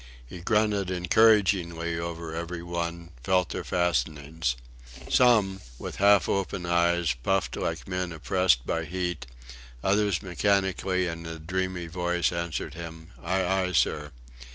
He grunted encouragingly over every one, felt their fastenings. Some, with half open eyes, puffed like men oppressed by heat; others mechanically and in dreamy voices answered him, "Aye! aye! sir!"